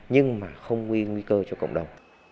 nhưng mà không nguyên nguy cơ cho cộng đồng